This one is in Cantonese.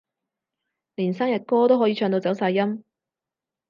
連生日歌都可以唱到走晒音